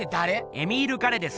エミール・ガレです。